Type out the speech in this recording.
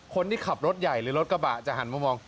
คนที่ขับรถใหญ่หรือรถกระบะจะหันมามอง